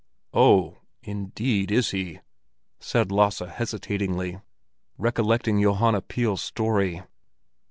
"Oh, indeed, is he?" said Lasse hesitatingly, recollecting Johanna Pihl's story.